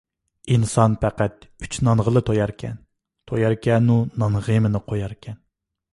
ئىنسان پەقەت ئۈچ نانغىلا توياركەن، توياركەنۇ نان غېمىنى قوياركەن ...